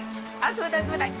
冷たい冷たい！